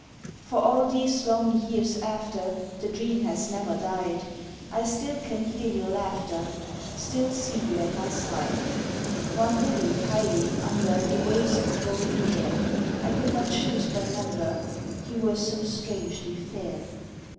For all these long years after The dream has never died, I still can hear your laughter, Still see you at my side; One lily hiding under The waves of golden hair; I could not choose but wonder, You were so strangely fair.